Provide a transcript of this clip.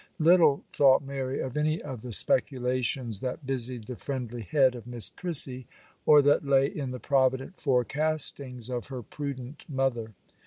Little thought Mary of any of the speculations that busied the friendly head of Miss Prissy, or that lay in the provident forecastings of her prudent mother.